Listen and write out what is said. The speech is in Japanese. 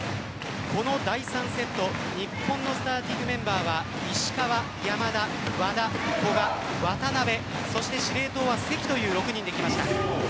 この第３セット日本のスターティングメンバーは石川、山田、和田古賀、渡邊そして司令塔は関という６人できました。